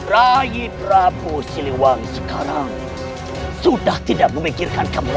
rayi prabu siliwang sekarang sudah tidak memikirkan kamu lagi